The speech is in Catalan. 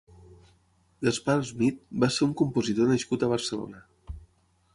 Gaspar Smit va ser un compositor nascut a Barcelona.